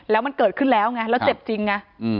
แล้วมันเกิดขึ้นแล้วไงแล้วเจ็บจริงไง